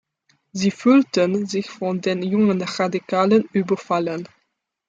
Sie fühlten sich von den jungen Radikalen überfallen.